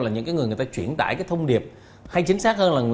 là những người người ta truyền đải thông điệp hay chính xác hơn là